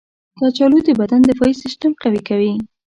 کچالو د بدن دفاعي سیستم قوي کوي.